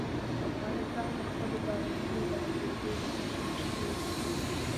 افغانستان د خپلو بارانونو د اورېدو لپاره مشهور دی.